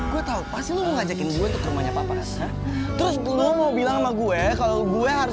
gue tahu pasti ngajakin gue ke rumahnya papa terus belum mau bilang sama gue kalau gue harus